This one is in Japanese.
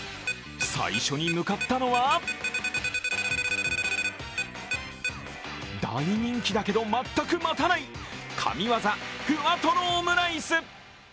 最初に向かったのは大人気だけど、全く待たない、神業ふわとろオムライス。